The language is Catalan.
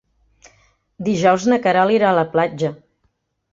Dijous na Queralt irà a la platja.